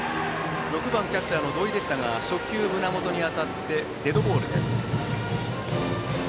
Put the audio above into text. ６番キャッチャーの土肥は初球が胸元に当たりデッドボールです。